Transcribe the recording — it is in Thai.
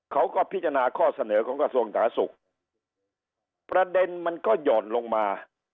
เขาก็พิจารณาข้อเสนอของกระทรวงสาธารณสุขประเด็นมันก็หย่อนลงมา